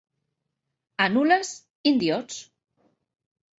A Nulles, indiots.